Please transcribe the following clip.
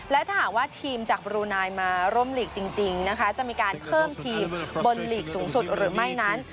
และถ้าหากว่าทีมจากบรูนายมาร่วมหลีกจริงนะคะจะมีการเพิ่มทีมบนหลีกสูงสุดหรือไม่นั้น